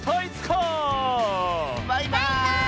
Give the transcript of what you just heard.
バイバーイ！